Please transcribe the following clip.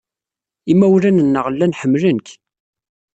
Imawlan-nneɣ llan ḥemmlen-k.